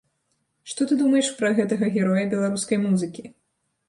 Што ты думаеш пра гэтага героя беларускай музыкі?